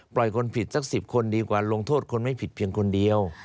คนผิดสัก๑๐คนดีกว่าลงโทษคนไม่ผิดเพียงคนเดียว